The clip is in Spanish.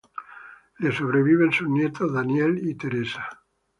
Le sobreviven sus nietos Daniel y Teresa.